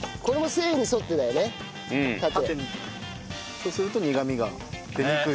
そうすると苦みが出にくい。